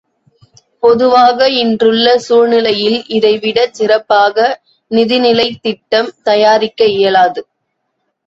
பொதுவாக இன்றுள்ள சூழ்நிலையில் இதை விடச் சிற்ப்பாக நிதிநிலைத் திட்டம் தயாரிக்க இயலாது.